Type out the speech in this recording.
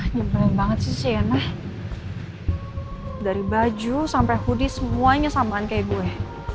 nyebrang banget sih sienna dari baju sampai hoodie semuanya samaan kayak gue